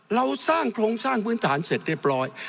เราสร้างโครงสร้างพื้นฐานเสร็จเรียบร้อย